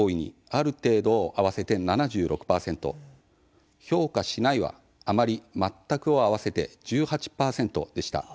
「ある程度」を合わせて７６％「評価しない」は「あまり」「全く」を合わせて１８％でした。